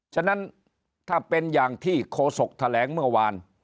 ฉะนั้นถ้าเป็นอย่างที่โคศกแถลงเมื่อวาน